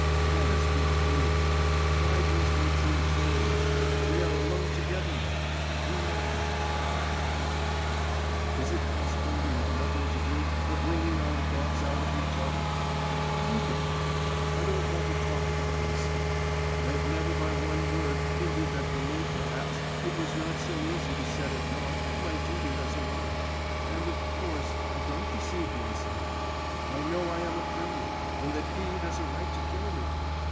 Let us be free! Why these mutual chains? We are alone together now, you love me. I love you; is it possible we have nothing to do but wringing our thoughts out of each other? Look at me, I don't want to talk about myself, I have never by one word hinted that for me perhaps it was not so easy to set at nought my duty as a wife ... and, of course, I don't deceive myself, I know I am a criminal, and that he has a right to kill me.